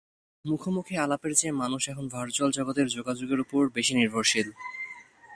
মুখোমুখি আলাপের চেয়ে মানুষ এখন ভার্চুয়াল জগতের যোগাযোগের ওপর বেশি নির্ভরশীল।